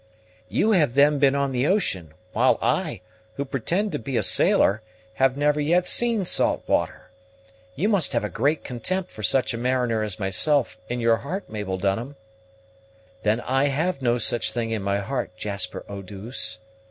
"You have then been on the ocean; while I, who pretend to be a sailor, have never yet seen salt water. You must have a great contempt for such a mariner as myself, in your heart, Mabel Dunham?" "Then I have no such thing in my heart, Jasper Eau douce.